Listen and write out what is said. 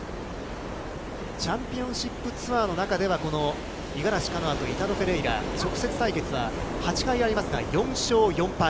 チャンピオンシップツアーの中では、この五十嵐カノアとイタロ・フェレイラ、直接対決は８回ありますが、４勝４敗。